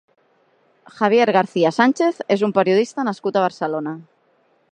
Javier García Sánchez és un periodista nascut a Barcelona.